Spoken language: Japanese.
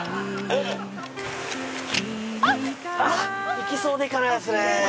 いきそうでいかないですね。